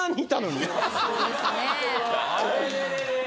そうですね